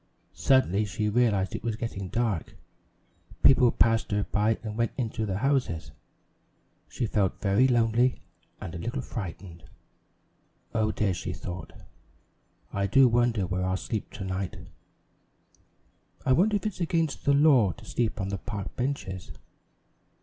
Suddenly she realized it was getting dark; people passed by her and went into the houses. She felt very lonely and a little frightened. "Oh, dear," she thought, "I do wonder where I'll sleep to night? I wonder if it's against the law to sleep on the park benches?"